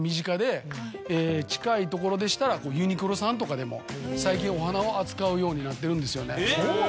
近いところでしたらユニクロさんとかでも最近お花を扱うようになってるんですよね。